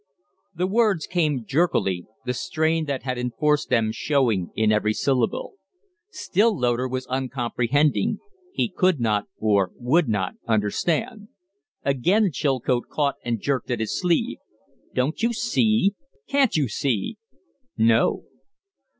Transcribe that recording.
The words came jerkily, the strain that had enforced them showing in every syllable. Still Loder was uncomprehending; he could not, or would not, understand. Again Chilcote caught and jerked at his sleeve. "Don't you see? Can't you see?" "No."